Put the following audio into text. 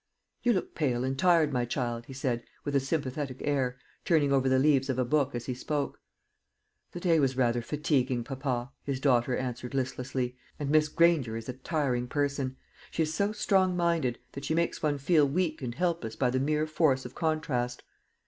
"You look pale and tired, my child," he said, with a sympathetic air, turning over the leaves of a book as he spoke. "The day was rather fatiguing, papa," his daughter answered listlessly, "and Miss Granger is a tiring person. She is so strong minded, that she makes one feel weak and helpless by the mere force of contrast."